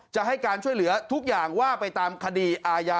จะให้การช่วยเหลือทุกอย่างว่าไปตามคดีอาญา